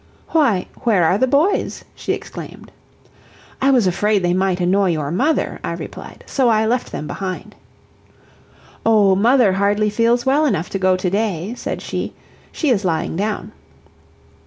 "Why, where are the boys?" she exclaimed. "I was afraid they might annoy your mother," I replied, "so I left them behind." "Oh, mother hardly feels well enough to go today," said she; "she is lying down."